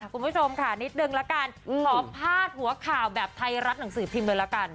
คุณผู้ชมค่ะนิดนึงละกันขอพาดหัวข่าวแบบไทยรัฐหนังสือพิมพ์เลยละกัน